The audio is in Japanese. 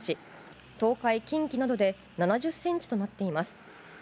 東海・近畿などで７０ｃｍとなっています。